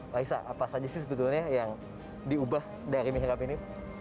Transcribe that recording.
laisa apa saja sih sebetulnya yang diubah dari mihrab ini